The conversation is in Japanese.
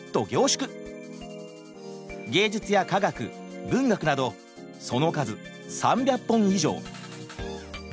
芸術や科学文学などその数３００本以上。